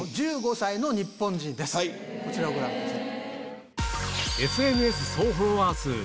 こちらをご覧ください。